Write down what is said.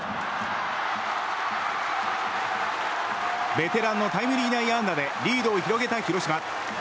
ベテランのタイムリー内野安打でリードを広げた広島。